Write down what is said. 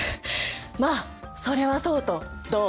まあそれはそうとどう？